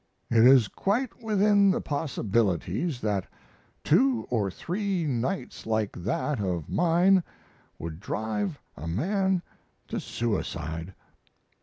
It is quite within the possibilities that two or three nights like that of mine would drive a man to suicide.